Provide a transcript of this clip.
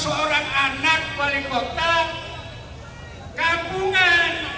seorang anak paling kotak kampungan